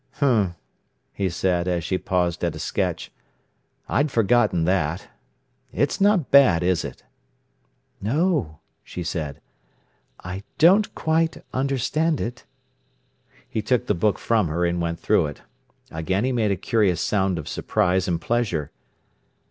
"H'm!" he said, as she paused at a sketch. "I'd forgotten that. It's not bad, is it?" "No," she said. "I don't quite understand it." He took the book from her and went through it. Again he made a curious sound of surprise and pleasure.